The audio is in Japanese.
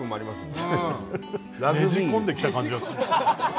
ねじ込んできた感じがするけど。